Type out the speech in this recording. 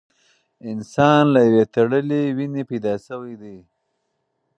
انسان له یوې تړلې وینې پیدا شوی دی.